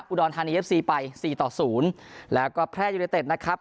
อุดรธานีเอฟซีไปสี่ต่อศูนย์แล้วก็แพร่ยูเนเต็ดนะครับ